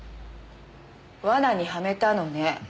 罠にはめたのね。